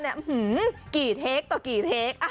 หื้อหือกี่เทคต่อกี่เทค